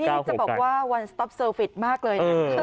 นี่จะบอกว่าวันสต๊อปเซอร์ฟิตมากเลยนะ